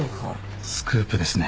スクープですね。